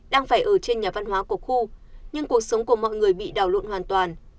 đang phải ở trên nhà văn hóa của khu nhưng cuộc sống của mọi người bị đào lộn hoàn toàn